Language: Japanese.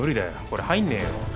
これ入んねえよ。